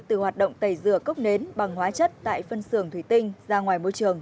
từ hoạt động tẩy rửa cốc nến bằng hóa chất tại phân xưởng thủy tinh ra ngoài môi trường